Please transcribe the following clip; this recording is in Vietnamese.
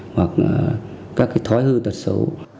hoặc các thói hư tật xấu